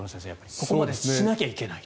ここまでしないといけない。